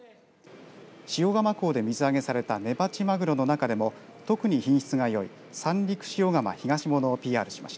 塩釜港で水揚げされたメバチマグロの中でも特に品質がよい三陸塩竈ひがし